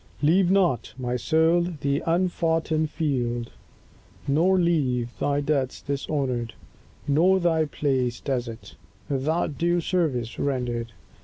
Leave not, my soul, the unfoughten field, nor leave Thy debts dishonoured, nor thy place desert Without due service rendered.